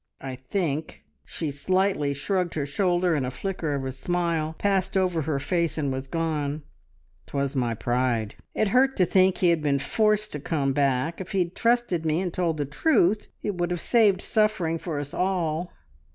I think," she slightly shrugged her shoulder, and a flicker of a smile passed over her face, and was gone, "'twas my pride! It hurt to think he had been forced to come back. If he'd trusted me and told the truth it would have saved suffering for us all!